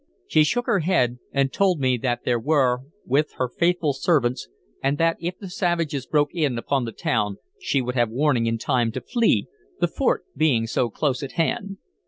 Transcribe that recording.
She shook her head, and told me that there were with her faithful servants, and that if the savages broke in upon the town she would have warning in time to flee, the fort being so close at hand.